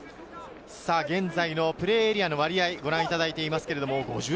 プレーエリアの割合をご覧いただいています。